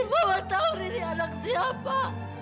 mama tau riri anak siapa